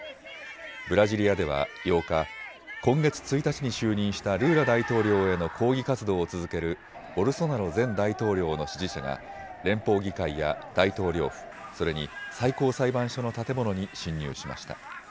ブラジリアでは８日、今月１日に就任したルーラ大統領への抗議活動を続けるボルソナロ前大統領の支持者が連邦議会や大統領府、それに最高裁判所の建物に侵入しました。